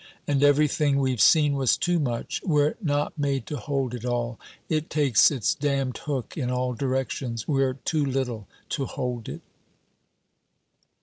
"And everything we've seen was too much. We're not made to hold it all. It takes its damned hook in all directions. We're too little to hold it."